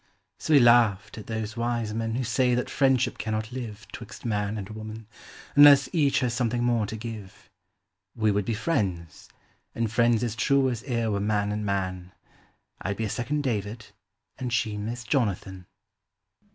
So we laughed at those wise men who say that friendship cauuot live 'Twixt man and woman, unless each has some thing more to give: We would be friends, and friends as true as e'er were man and man ; I 'd be a second David, and she Miss Jonathan.